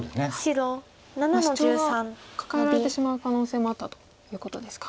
シチョウがカカえられてしまう可能性もあったということですか。